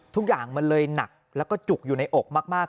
ทุกอย่างมันเลยหนักแล้วก็จุกอยู่ในอกมาก